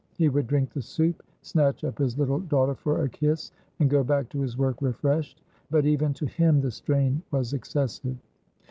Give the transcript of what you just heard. He would drink the soup, snatch up his little daughter for a kiss and go back to his work refreshed, but even to him the strain was excessive.